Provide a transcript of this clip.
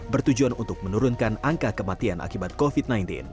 bertujuan untuk menurunkan angka kematian akibat covid sembilan belas